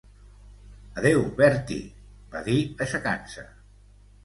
"Adéu, Bertie" va dir, aixecant-se.